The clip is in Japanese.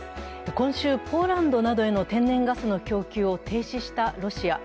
今週、ポーランドなどへの天然ガスの供給を停止したロシア。